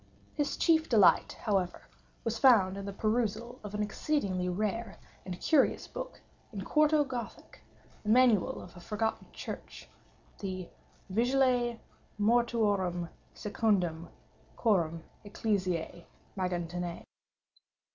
His chief delight, however, was found in the perusal of an exceedingly rare and curious book in quarto Gothic—the manual of a forgotten church—the Vigiliae Mortuorum secundum Chorum Ecclesiae Maguntinae.